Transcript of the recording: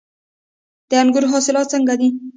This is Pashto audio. د انګورو حاصلات څنګه دي؟